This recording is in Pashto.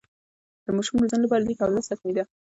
د ماشوم روزنې لپاره لیک او لوست حتمي ده.